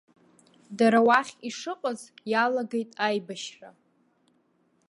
Дара уахь ишыҟаз иалагеит аибашьра.